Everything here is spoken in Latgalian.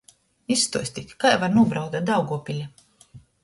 Izstuostit, kai var nūbraukt da Daugovpiļa!